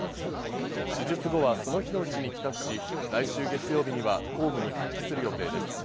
手術後はその日のうちに帰宅し、来週月曜日には公務に復帰する予定です。